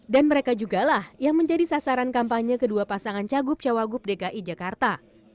dan mereka juga lah yang menjadi sasaran kampanye kedua pasangan cagup cawagup dki jakarta